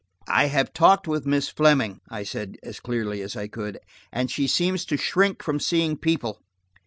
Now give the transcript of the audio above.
"I have talked with Miss Fleming," I said, as clearly as I could, "and she seems to shrink from seeing people.